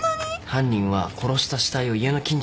犯人は殺した死体を家の近所には埋めない。